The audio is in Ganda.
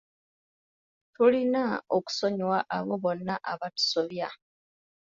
Tulina okusonyiwa abo bonna abatusobya.